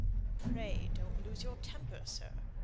"Pray don't lose your temper, sir.